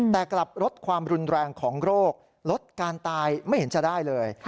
แต่กลับลดความรุนแรงของโรคลดการตายไม่เห็นจะได้เลย